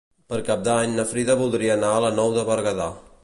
Per Cap d'Any na Frida voldria anar a la Nou de Berguedà.